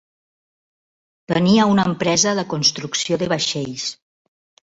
Tenia una empresa de construcció de vaixells.